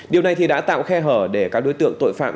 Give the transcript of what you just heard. điều này thì đã tạo khe hở để các đối tượng tội phạm